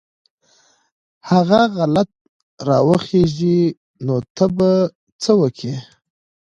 هغه غلط راوخېژي نو ته به څه وکې.